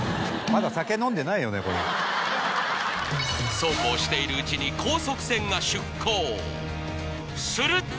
そうこうしているうちに高速船がすると